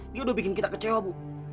dia sudah bikin kita kecewa bu